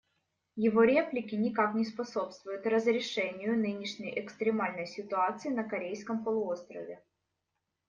Его реплики никак не способствуют разрешению нынешней экстремальной ситуации на Корейском полуострове.